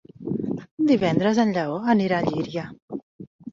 Divendres en Lleó anirà a Llíria.